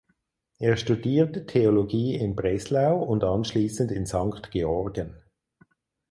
Er studierte Theologie in Breslau und anschließend in Sankt Georgen.